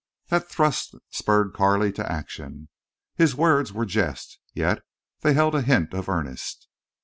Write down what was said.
That thrust spurred Carley to action. His words were jest, yet they held a hint of earnest.